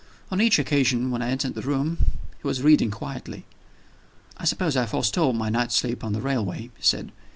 On each occasion when I entered the room, he was reading quietly. "I suppose I forestalled my night's sleep on the railway," he said.